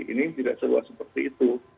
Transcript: ini tidak seluas seperti itu